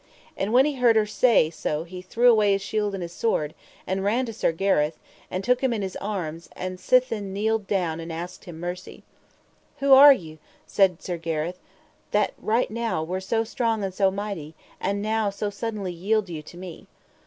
And when he heard her say so he threw away his shield and his sword, and ran to Sir Gareth, and took him in his arms, and sithen kneeled down and asked him mercy. What are ye, said Sir Gareth, that right now were so strong and so mighty, and now so suddenly yield you to me?